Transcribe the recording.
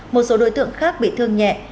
một số đối tượng khác bị thương nhẹ